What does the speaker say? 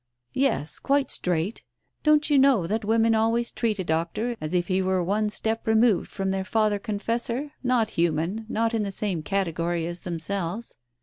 "Yes, quite straight. Don't you know that women always treat a doctor as if he were one step removed from their father confessor — not human — not in the same category as themselves